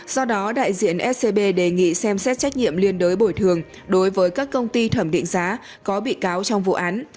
do đó đại diện scb đề nghị xem xét trách nhiệm liên đối bồi thường đối với các công ty thẩm định giá có bị cáo trong vụ án